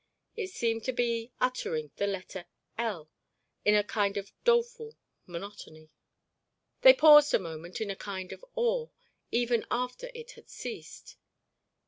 It seemed to be uttering the letter L in a kind of doleful monotony. They paused a moment in a kind of awe, even after it had ceased.